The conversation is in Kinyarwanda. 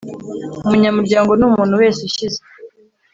Umunyamuryango ni umuntu wese ushyize